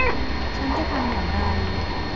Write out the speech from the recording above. ฉันจะทำอย่างไร